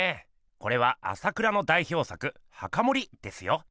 これは朝倉の代表作「墓守」ですよ。